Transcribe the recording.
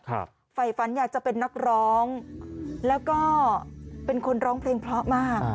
ฝ่ายฝันอยากจะเป็นนักร้องแล้วก็เป็นคนร้องเพลงเพราะมาก